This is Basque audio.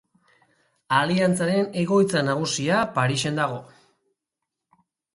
Aliantzaren egoitza nagusia Parisen dago.